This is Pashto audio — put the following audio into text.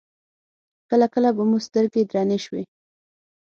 کله کله به مو سترګې درنې شوې.